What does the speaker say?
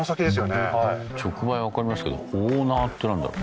直売はわかりますけどオーナーってなんだろう？